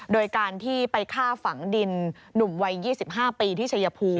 โดยการที่ไปฆ่าฝังดินหนุ่มวัย๒๕ปีที่ชัยภูมิ